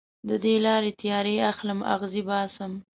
د دې لارې تیارې اخلم اغزې باسم